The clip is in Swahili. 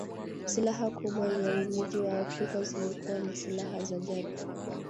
Silaha kubwa za wenyeji wa Afrika zilikuwa ni silaha za jadi